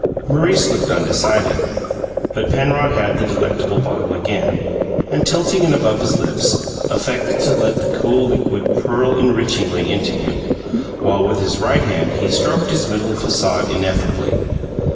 Maurice looked undecided. But Penrod had the delectable bottle again, and tilting it above his lips, affected to let the cool liquid purl enrichingly into him, while with his right hand he stroked his middle facade ineffably.